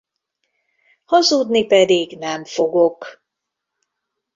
Hazudni pedig nem fogok.